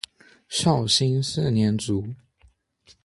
绍兴四年卒。